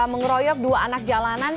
mengroyok dua anak jalanan